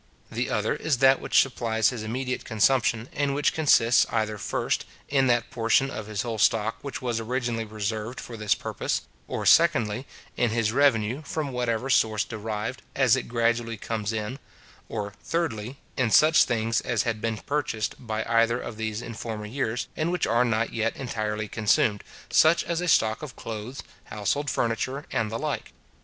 The other is that which supplies his immediate consumption, and which consists either, first, in that portion of his whole stock which was originally reserved for this purpose; or, secondly, in his revenue, from whatever source derived, as it gradually comes in; or, thirdly, in such things as had been purchased by either of these in former years, and which are not yet entirely consumed, such as a stock of clothes, household furniture, and the like.